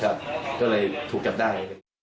ก็เลยถูกจับได้